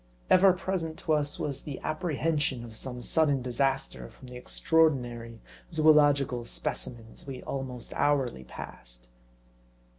Ever present to us, was the apprehension of some sudden disaster from the extraordinary zoological specimens we almost hourly passed.